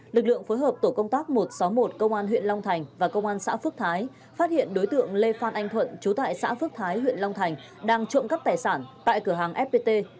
lực lượng phối hợp tổ công tác một trăm sáu mươi một công an huyện long thành và công an xã phước thái phát hiện đối tượng lê phan anh thuận trú tại xã phước thái huyện long thành đang trộm cắp tài sản tại cửa hàng fpt